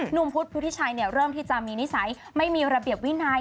พุทธพุทธิชัยเริ่มที่จะมีนิสัยไม่มีระเบียบวินัย